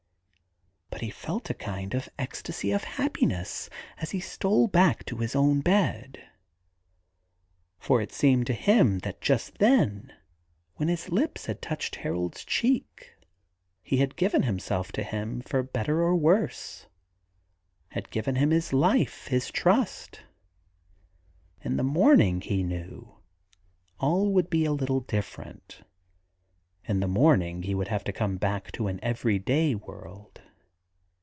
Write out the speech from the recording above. But he felt a kind of ecstasy of happiness as he stole back to his own bed, for it seemed to him that just then, when his lips had touched Harold's cheek, he had given 85 THE GARDEN GOD himself to him for better or worse, had given him his life, his trust. In the morning, he knew, all would be a little different; in the morning he should have to come back to an everyday world.